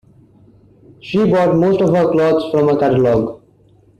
She bought most of her clothes from a catalogue